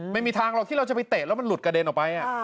ไม่มีทางหรอกที่เราจะไปเตะแล้วมันหลุดกระเด็นออกไป